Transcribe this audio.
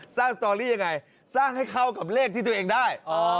สตอรี่ยังไงสร้างให้เข้ากับเลขที่ตัวเองได้